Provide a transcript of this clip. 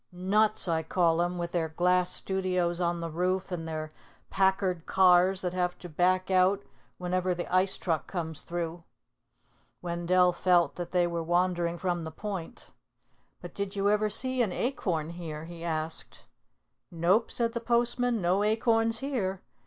Nuts, I call 'em, with their glass studios on the roof and their Packard cars that have to back out whenever the ice truck comes through." Wendell felt that they were wandering from the point. "But did you ever see an acorn here?" he asked. "Nope," said the postman. "No acorns here.